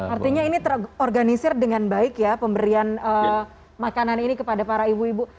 artinya ini terorganisir dengan baik ya pemberian makanan ini kepada para ibu ibu